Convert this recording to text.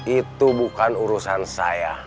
itu bukan urusan saya